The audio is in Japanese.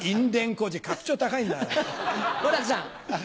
王楽さん。